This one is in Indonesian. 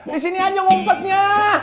disini aja ngumpetnya